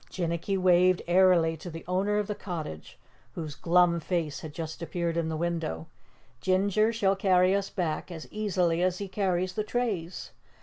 Jinnicky waved airily to the owner of the cottage whose glum face had just appeared in the window. "Ginger shall carry us back, as easily as he carries the trays!